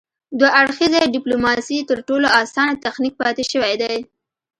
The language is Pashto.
دوه اړخیزه ډیپلوماسي تر ټولو اسانه تخنیک پاتې شوی دی